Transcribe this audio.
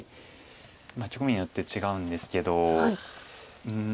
局面によって違うんですけどうん。